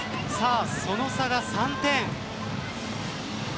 その差が３点。